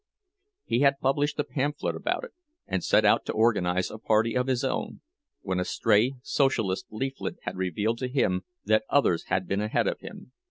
He had published a pamphlet about it, and set out to organize a party of his own, when a stray Socialist leaflet had revealed to him that others had been ahead of him.